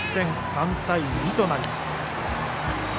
３対２となります。